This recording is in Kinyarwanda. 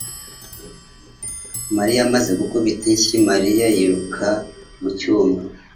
Mariya amaze gukubita inshyi Mariya yiruka mu cyumba